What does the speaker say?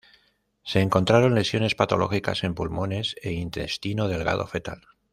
Se encontraron lesiones Patológicas en pulmones e intestino delgado fetal.